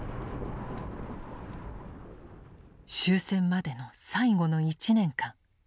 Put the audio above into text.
終戦までの最後の１年間。